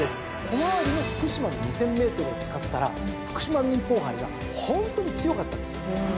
小回りの福島の２，０００ｍを使ったら福島民報杯がホントに強かったんですよ。